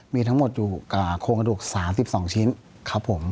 มีทั้งหมดอยู่โครงกระดูก๓๒ชิ้นครับผม